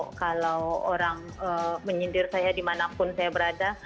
kalau orang menyindir saya dimanapun saya berada